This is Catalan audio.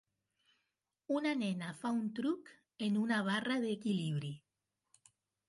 Una nena fa un truc en una barra d'equilibri.